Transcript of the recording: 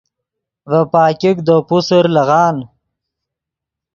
ڤے پاګیک دے پوسر لیغان